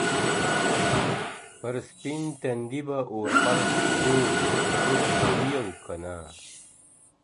پر سپین تندي به اوربل خپور وو اوس به وي او کنه.